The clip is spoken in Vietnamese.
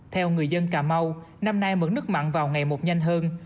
theo người dân cà mau năm nay mưỡn nước mặn vào ngày một nhanh hơn